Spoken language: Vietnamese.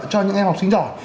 cho những em học sinh giỏi